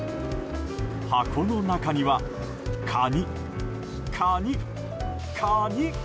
箱の中にはカニ、カニ、カニ。